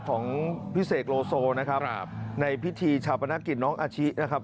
ของพี่เสกโลโซนะครับในพิธีชาปนกิจน้องอาชินะครับ